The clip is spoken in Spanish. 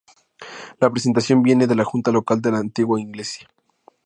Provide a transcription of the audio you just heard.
La presentación viene de la junta local de la antigua iglesia.